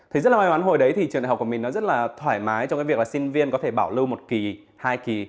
thì rất là may mắn hồi đấy thì trường đại học của mình nó rất là thoải mái trong cái việc là sinh viên có thể bảo lưu một kỳ hai kỳ